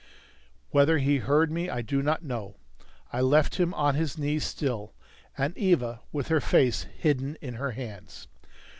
Whether he heard me I do not know. I left him on his knees still, and Eva with her face hidden in her hands.